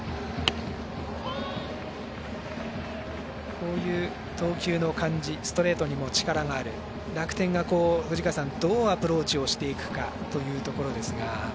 こういう投球の感じストレートにも力がある楽天が、どうアプローチをしてくかというところですが。